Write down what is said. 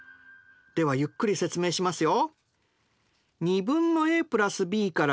ではゆっくり説明しますよ。